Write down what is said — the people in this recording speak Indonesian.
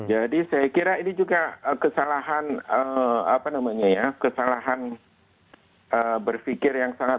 jadi saya kira ini juga kesalahan apa namanya ya kesalahan berfikir yang sangat